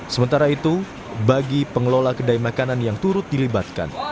sementara itu bagi pengelola kedai makanan yang turut dilibatkan